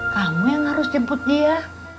kamu yang harus jemput dia